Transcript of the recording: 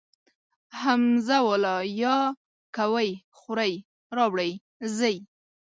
همزه واله ئ کوئ خورئ راوړئ ځئ